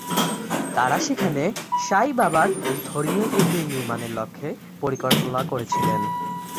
তারা সেখানে সাঁই বাবার ধর্মীয় কুটির নির্মাণের লক্ষ্যে পরিকল্পনা করেছিলেন।